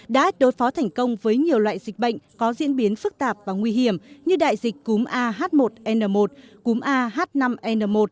đã đối phó thành công với nhiều loại dịch bệnh có diễn biến phức tạp và nguy hiểm như đại dịch cúm ah một n một cúm ah năm n một